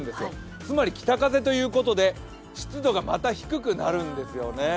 つまり北風ということで湿度がまた低くなるんですね。